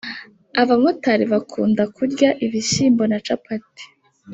Abamotali bakunda kurya ibishyimbo nacapati